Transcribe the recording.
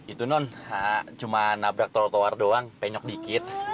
itu non cuma nabrak tol towar doang penyok dikit